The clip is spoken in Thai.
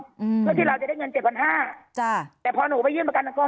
อืมเพื่อที่เราจะได้เงินเจ็ดพันห้าจ้ะแต่พอหนูไปยื่นประกันตัว